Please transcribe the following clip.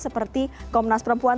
seperti komnas perempuan